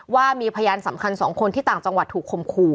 ว่ามีพยานสำคัญ๒คนที่ต่างจังหวัดถูกคมขู่